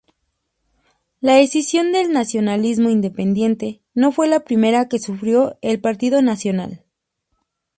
La escisión del Nacionalismo Independiente no fue la primera que sufrió el Partido Nacional.